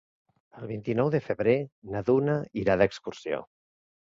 El vint-i-nou de febrer na Duna irà d'excursió.